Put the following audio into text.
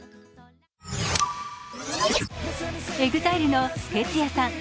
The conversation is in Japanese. ＥＸＩＬＥのＴＥＴＳＵＹＡさん